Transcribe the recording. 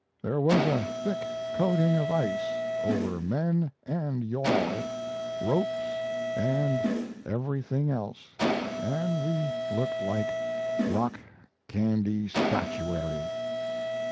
There was a thick coating of ice over men, and yawl, ropes and everything else, and we looked like rock candy statuary.